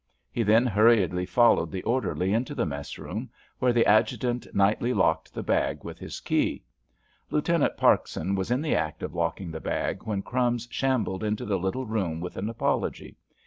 He then hurriedly followed the orderly into the mess room, where the adjutant nightly locked the bag with his key. Lieutenant Parkson was in the act of locking the bag when "Crumbs" shambled into the little room with an apology.